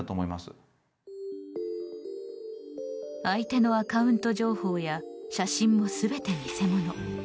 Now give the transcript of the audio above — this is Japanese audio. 相手のアカウント情報や写真も全て偽物。